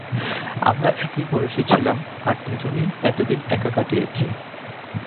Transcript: আমরা একই বয়সী ছিলাম আর দুজনেই এতদিন একা কাটিয়েছি।